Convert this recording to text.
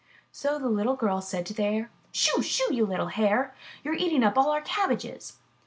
So the little girl said to the Hare: Shoo! Shoo! little Hare, you are eating up all our cabbages."